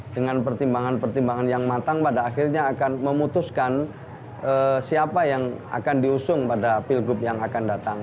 dengan pertimbangan pertimbangan yang matang pada akhirnya akan memutuskan siapa yang akan diusung pada pilgub yang akan datang